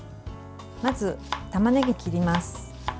まず、たまねぎ切ります。